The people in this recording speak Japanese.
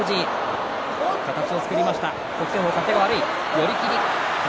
寄り切り宝